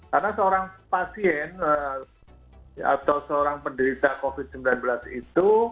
karena seorang pasien atau seorang penderita covid sembilan belas itu